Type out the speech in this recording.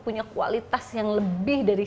punya kualitas yang lebih dari